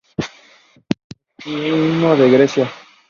Anarquismo en Grecia